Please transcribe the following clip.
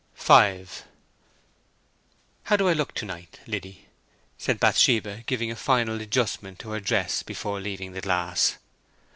V "How do I look to night, Liddy?" said Bathsheba, giving a final adjustment to her dress before leaving the glass.